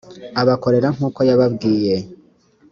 abakorera nk uko yababwiye